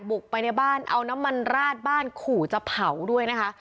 บุกไปในบ้านเอาน้ำมันราดบ้านขู่จะเผาด้วยนะคะ